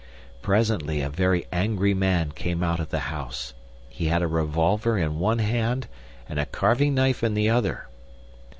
Presently a very angry man came out of the house. He had a revolver in one hand and a carving knife in the other.